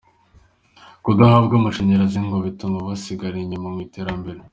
Kudahabwa amashanyarazi ngo bituma basigara inyuma mu iterambere.